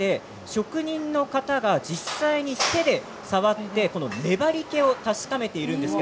職人の方が実際に手で触って粘りけを確かめています。